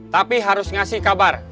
tapi harus ngasih kabar